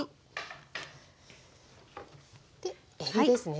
でえびですね。